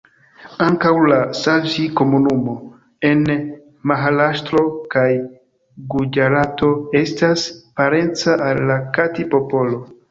Ankaŭ la Savji-komunumo en Maharaŝtro kaj Guĝarato estas parenca al la Kati-popolo.